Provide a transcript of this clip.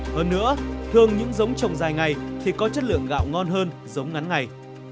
hơn nữa thường những giống trồng dài ngày thì có chất lượng gạo ngon hơn giống ngắn ngày